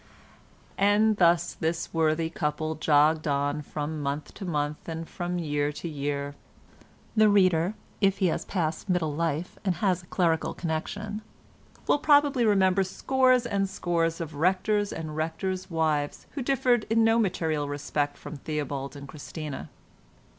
And thus this worthy couple jogged on from month to month and from year to year. The reader, if he has passed middle life and has a clerical connection, will probably remember scores and scores of rectors and rectors' wives who differed in no material respect from Theobald and Christina.